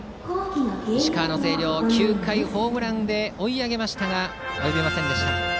石川の星稜、９回ホームランで追い上げましたが及びませんでした。